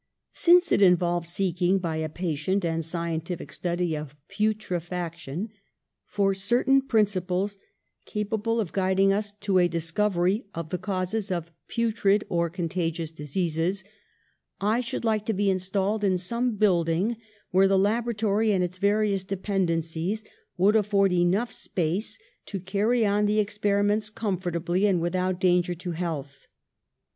"Since it involves seeking, by a patient and scientific study of putrefaction, for certain prin ciples capable of guiding us to a discovery of the causes of putrid or contagious diseases, I should like to be installed in some building where the laboratory and its various dependen cies would afford enough space to carry on the experiments comfortably and without danger to health.